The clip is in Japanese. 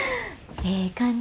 ええ感じ。